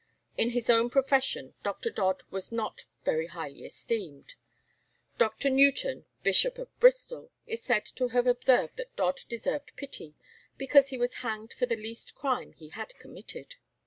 In his own profession Dr. Dodd was not very highly esteemed. Dr. Newton, Bishop of Bristol, is said to have observed that Dodd deserved pity, because he was hanged for the least crime he had committed.